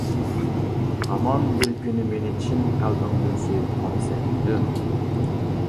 ھامان بىر كۈنى مېنى چىن قەلبىڭدىن سۆيۈپ قالىسەن، گۈلۈم.